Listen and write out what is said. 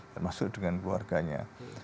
termasuk dengan keluarganya